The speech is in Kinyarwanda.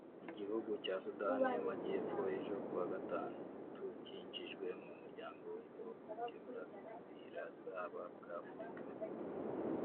Igihugu cya Sudan y’amagepfo ejo kuwa gatatu kinmjizwe mu muryango w’ibihugu by’uburasirazaba bw’Afurika